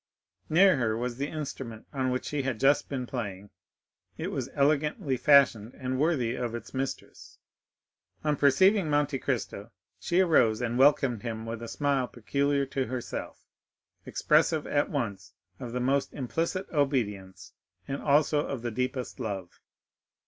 Near her was the instrument on which she had just been playing; it was elegantly fashioned, and worthy of its mistress. On perceiving Monte Cristo, she arose and welcomed him with a smile peculiar to herself, expressive at once of the most implicit obedience and also of the deepest love.